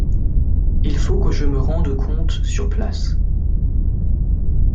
il faut que je me rende compte sur place.